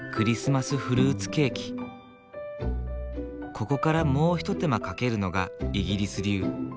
ここからもう一手間かけるのがイギリス流。